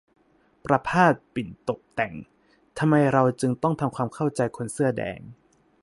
ประภาส ปิ่นตบแต่ง : ทำไมเราจึงต้องทำความเข้าใจคนเสื้อแดง